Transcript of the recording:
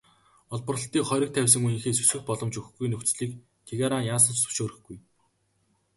Олборлолтыг хориг тавьсан үеийнхээс өсгөх боломж өгөхгүй нөхцөлийг Тегеран яасан ч зөвшөөрөхгүй.